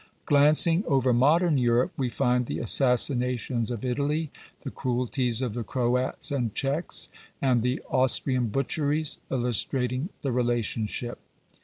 Glancing over modern Europe, we find the assassinations of Italy, the cruelties of the Croats and Czecks, and the Aus trian butcheries, illustrating the relationship.